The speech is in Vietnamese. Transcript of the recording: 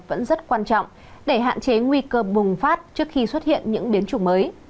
vẫn rất quan trọng để hạn chế nguy cơ bùng phát trước khi xuất hiện những biến chủng mới